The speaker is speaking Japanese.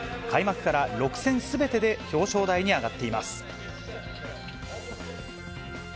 開幕から６戦すべてで表彰台に上がっています。